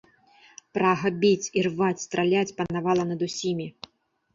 Прага біць, ірваць, страляць панавала над усімі.